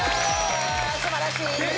素晴らしい！